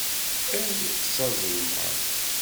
Err s azelmaḍ.